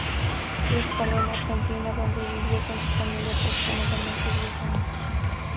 Se instaló en Argentina, donde vivió con su familia aproximadamente diez años.